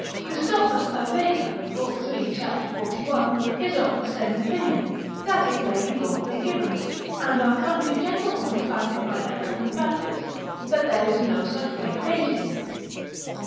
Christophorus a Vega, lib. 3. c. 41, is of the same opinion, that it may be lawfully given; and our country gentlewomen find it by their common practice, that there is no such great danger in it.